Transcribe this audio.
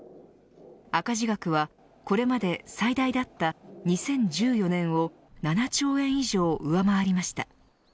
赤字額は、これまで最大だった２０１４年を７兆円以上上回りました。